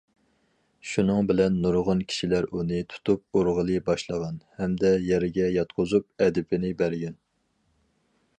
شۇنىڭ بىلەن نۇرغۇن كىشىلەر ئۇنى تۇتۇپ ئۇرغىلى باشلىغان ھەمدە يەرگە ياتقۇزۇپ ئەدىپىنى بەرگەن.